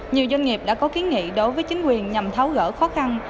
nhiều doanh nghiệp đã có kiến nghị đối với chính quyền nhằm tháo gỡ khó khăn